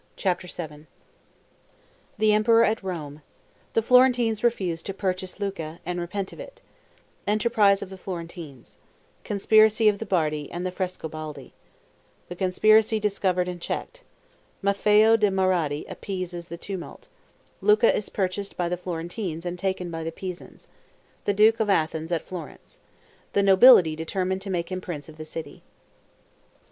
CHAPTER VII The Emperor at Rome The Florentines refuse to purchase Lucca, and repent of it Enterprises of the Florentines Conspiracy of the Bardi and the Frescobaldi The conspiracy discovered and checked Maffeo da Marradi appeases the tumult Lucca is purchased by the Florentines and taken by the Pisans The duke of Athens at Florence The nobility determine to make him prince of the city.